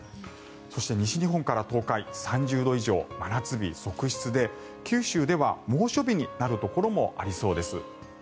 そして、西日本から東海３０度以上、真夏日続出で九州では猛暑日になるところもありそうです。